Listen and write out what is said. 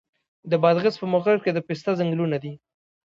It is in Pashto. د بادغیس په مقر کې د پسته ځنګلونه دي.